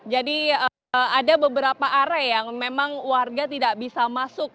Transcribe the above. jadi ada beberapa area yang memang warga tidak bisa masuk